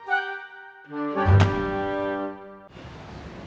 kita juga m bkelang di alam kecilhhh